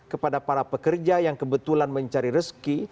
kepada para pekerja yang kebetulan mencari rezeki